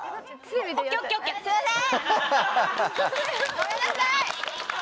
ごめんなさい！